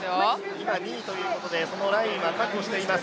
今２位ということで、そのラインは確保しています。